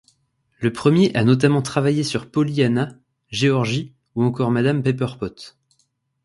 Le premier a notamment travaillé sur Pollyanna, Georgie ou bien encore Madame Pepperpotte.